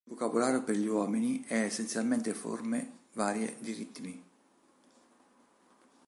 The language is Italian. Il vocabolario per gli uomini è essenzialmente forme varie di ritmi.